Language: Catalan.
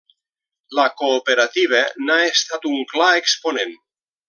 La Cooperativa n'ha estat un clar exponent.